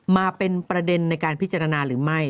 มาเป็นประเด็นในการพิจารณาหรือไม่